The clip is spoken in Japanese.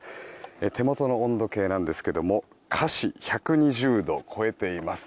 手元の温度計なんですがカ氏１２０度を超えています。